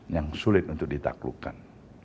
yang sulit untuk ditaklukkan